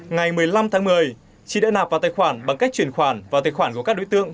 ngày một mươi năm tháng một mươi chị đã nạp vào tài khoản bằng cách truyền khoản vào tài khoản của các đối tượng